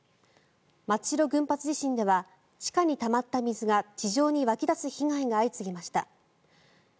松代群発地震では地下にたまった水が地上に湧き出す被害が相次ぎました。